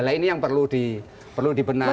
nah ini yang perlu dibenahi